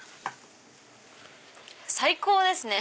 最高ですね！